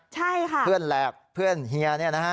ใช่ค่ะเพื่อนแหลกเพื่อนเฮียเนี่ยนะฮะ